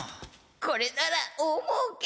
これならおおもうけ。